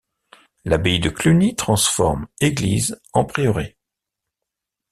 L’abbaye de Cluny transforme église en prieuré.